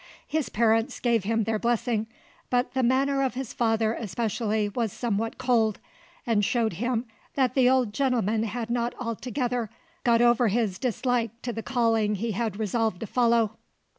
His parents gave him their blessing, but the manner of his father especially was somewhat cold, and showed him that the old gentleman had not altogether got over his dislike to the calling he had resolved to follow.